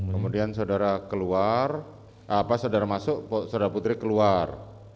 kemudian saudara keluar apa saudara masuk saudara putri keluar